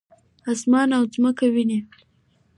اسمان او مځکه وینې؟